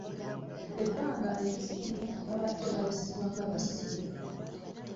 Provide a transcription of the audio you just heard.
Ebbanga erisinga babadde bayisibwa nga basibe.